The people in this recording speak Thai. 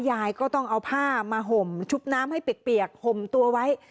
ยายก็ต้องเอาผ้ามาห่มชุบน้ำให้เปียกห่มตัวไว้